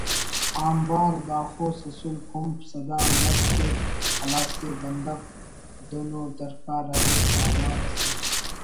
آنبار باخوس اسل کنپ سدا مش تے خلاسے بندغ دن ءُ درکار ارے سیامار اسے